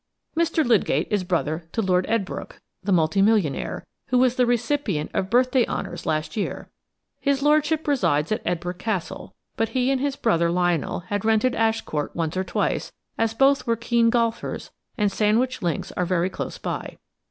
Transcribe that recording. Mr. Lydgate is brother to Lord Edbrooke, the multi millionaire, who was the recipient of birthday honours last year. His lordship resides at Edbrooke Castle, but he and his brother Lionel had rented Ash Court once or twice, as both were keen golfers and Sandwich Links are very close by.